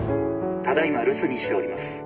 ただ今留守にしております。